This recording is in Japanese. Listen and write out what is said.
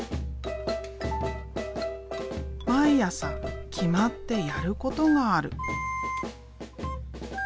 毎朝決まってやることがある。